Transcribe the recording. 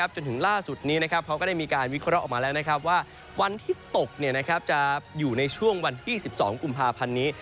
จนถึงล่าสุดนี้เขาก็ได้มีการวิเคราะห์ออกมาแล้วว่าวันที่ตกจะอยู่ในช่วงวันที่๑๒กุมภาพันธ์นี้